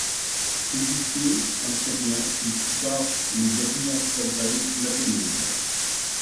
Officier, saint-cyrien, il prit part aux dernières campagnes napoléoniennes.